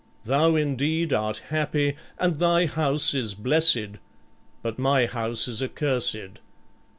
Thou, indeed, art happy, and thy house is blessed; but my house is accursed.